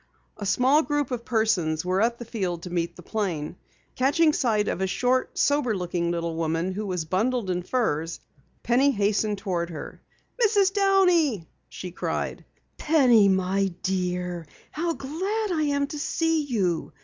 A small group of persons were at the field to meet the plane. Catching sight of a short, sober looking little woman who was bundled in furs, Penny hastened toward her. "Mrs. Downey!" she cried. "Penny, my dear! How glad I am to see you!"